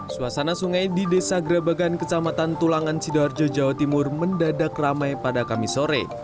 suasana sungai di desa grabagan kecamatan tulangan sidoarjo jawa timur mendadak ramai pada kamis sore